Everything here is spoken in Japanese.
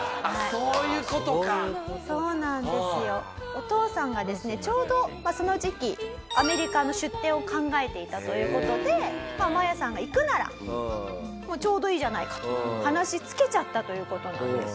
お父さんがですねちょうどその時期アメリカの出店を考えていたという事でマヤさんが行くならちょうどいいじゃないかと話つけちゃったという事なんです。